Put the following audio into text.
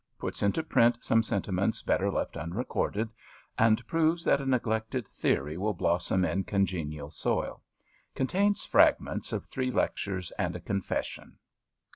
Puts into print some senti ments better left unrecorded, and proves that a neglected theory will blossom in congenial soil. Contains fragments of three lectures and a confession.